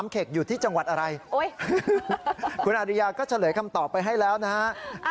คุณอาริยาก็เฉลยคำตอบไปให้แล้วนะครับ